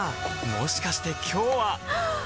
もしかして今日ははっ！